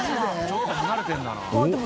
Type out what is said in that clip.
ちょっと離れてるんだな。